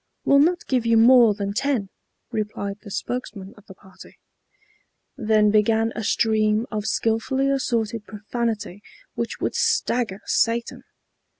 "We'll not give you more than ten," replied the spokesman of the party. Then began a stream of skilfully assorted profanity which would stagger Satan.